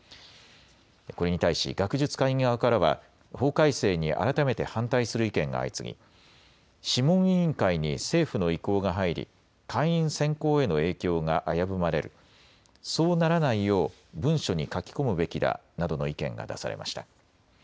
これに対し、学術会議側からは、法改正に改めて反対する意見が相次ぎ、諮問委員会に政府の意向が入り、会員選考への影響が危ぶまれる、そうならないよう、文書に書き込むべきだなどの意見が出されました。